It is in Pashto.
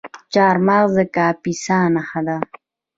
چهارمغز د کاپیسا نښه ده.